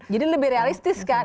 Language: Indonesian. jadi lebih realistis kan